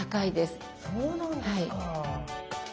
そうなんですか。